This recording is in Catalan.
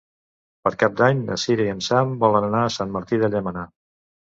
Per Cap d'Any na Cira i en Sam volen anar a Sant Martí de Llémena.